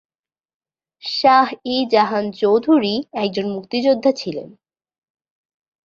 শাহ ই জাহান চৌধুরী একজন মুক্তিযোদ্ধা ছিলেন।